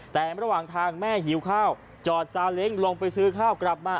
แต่ระหว่างทางแม่หิวข้าวจอดซาเล้งลงไปซื้อข้าวกลับมา